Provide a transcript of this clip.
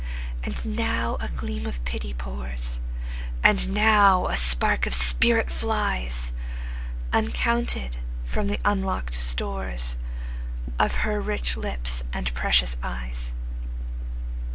And now a gleam of pity pours, And now a spark of spirit flies, Uncounted, from the unlock'd storesOf her rich lips and precious eyes.